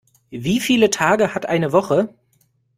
Wie viele Tage hat eine Woche?